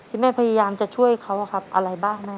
ที่แม่พยายามจะช่วยเขาอะไรบ้าง